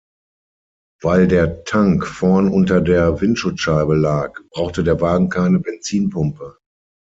Weil der Tank vorn unter der Windschutzscheibe lag, brauchte der Wagen keine Benzinpumpe.